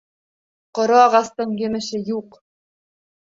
Ҡоро ағастың емеше юҡ.